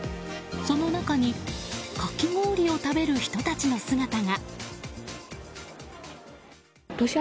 その中にかき氷を食べる人たちの姿が。